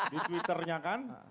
di twitternya kan